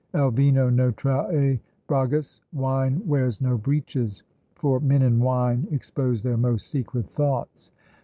El vino no trae bragas, "Wine wears no breeches;" for men in wine expose their most secret thoughts.